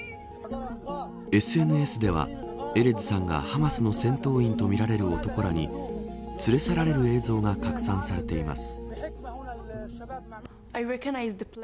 ＳＮＳでは、エレズさんがハマスの戦闘員とみられる男らに連れ去られる映像が拡散しています。